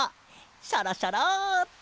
シャラシャラって！